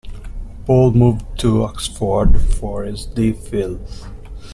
Paul moved to Oxford for his D Phil.